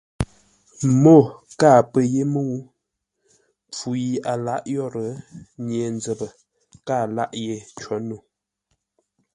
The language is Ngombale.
Mô kâa pə́ yé mə́u! Mpfu yi a lǎʼ yórə́, Nye-nzəpə kâa lâʼ yé có no.